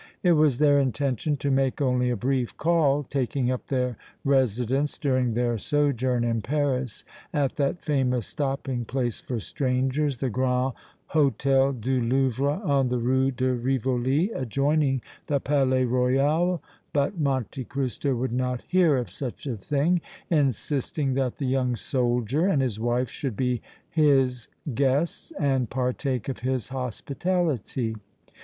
It was their intention to make only a brief call, taking up their residence during their sojourn in Paris at that famous stopping place for strangers, the Grand Hôtel du Louvre on the Rue de Rivoli adjoining the Palais Royal, but Monte Cristo would not hear of such a thing, insisting that the young soldier and his wife should be his guests and partake of his hospitality.